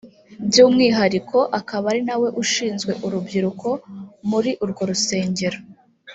by’umwihariko akaba ari nawe ushinzwe urubyiruko muri urwo rusengero